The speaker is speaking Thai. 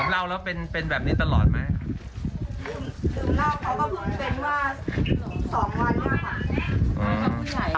ดื่มเหล้าเขาก็เพิ่งเป็นว่า๒วันเนี่ยค่ะ